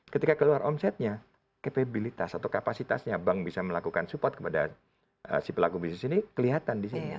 ketika keluar omsetnya capabilitas atau kapasitasnya bank bisa melakukan support kepada si pelaku bisnis ini kelihatan di sini